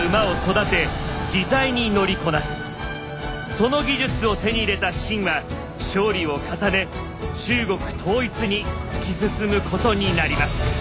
その技術を手に入れた秦は勝利を重ね中国統一に突き進むことになります。